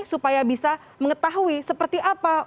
supaya bisa mengetahui seperti apa